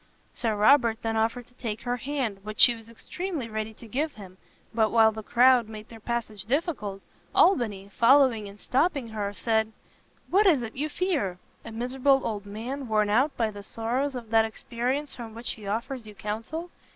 Sir Robert then offered to take her hand, which she was extremely ready to give him; but while the crowd made their passage difficult, Albany, following and stopping her, said, "What is it you fear? a miserable old man, worn out by the sorrows of that experience from which he offers you counsel?